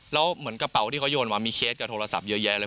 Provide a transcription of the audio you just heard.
แล้วเหมือนกระเป๋าที่เขาโยนมามีเคสกับโทรศัพท์เยอะแยะเลย